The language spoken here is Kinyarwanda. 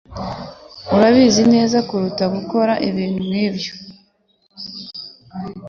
Urabizi neza kuruta gukora ibintu nkibyo.